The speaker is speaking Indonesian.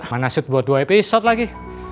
mana syut buat dua episode lagi